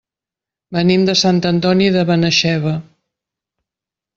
Venim de Sant Antoni de Benaixeve.